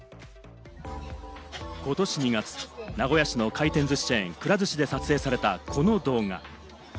ことし２月、名古屋市の回転ずしチェーン店・くら寿司で撮影されたこの動画。